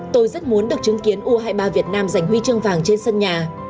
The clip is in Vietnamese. tôi rất muốn được chứng kiến u hai mươi ba việt nam giành huy chương vàng trên sân nhà